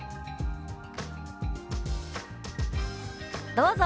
どうぞ。